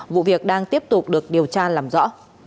vụ việc đang tiếp tục được điều tra làm rõ